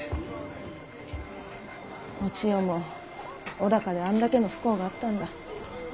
お千代も尾高であんだけの不幸があったんだ。